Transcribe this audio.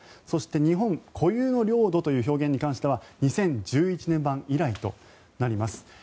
そして、日本固有の領土という表現に関しては２０１１年版以来となります。